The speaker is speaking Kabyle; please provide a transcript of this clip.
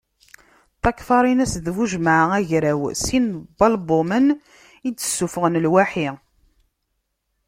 Takfarinas d Buǧemɛa Agraw sin n walbumen i d-ssufɣen lwaḥi.